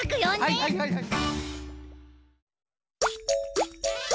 はいはいはいはい。